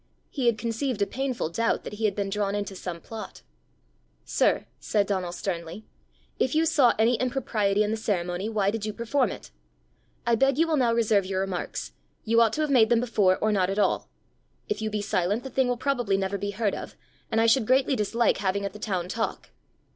He had conceived a painful doubt that he had been drawn into some plot! "Sir!" said Donal sternly, "if you saw any impropriety in the ceremony, why did you perform it? I beg you will now reserve your remarks. You ought to have made them before or not at all. If you be silent, the thing will probably never be heard of, and I should greatly dislike having it the town talk."